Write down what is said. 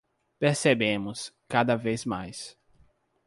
Percebemos, cada vez mais